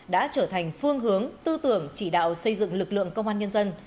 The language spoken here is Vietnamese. đã trở thành phương hướng tư tưởng chỉ đạo xây dựng lực lượng công an nhân dân